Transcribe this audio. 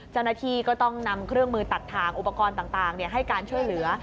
เจ้าหน้าที่ก็ต้องนำเครื่องมือตัดทางอุปกรณ์ต่างให้การช่วยเหลือ